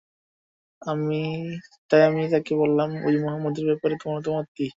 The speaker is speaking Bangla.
তাই আমি তাকে বললাম, ঐ মুহাম্মদের ব্যাপারে তোমার মতামত কী?